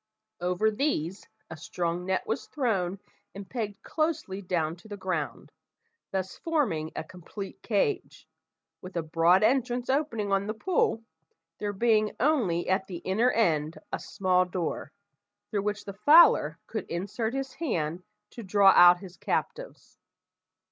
Over these a strong net was thrown and pegged closely down to the ground, thus forming a complete cage, with a broad entrance opening on the pool, there being only at the inner end a small door, through which the fowler could insert his hand to draw out his captives.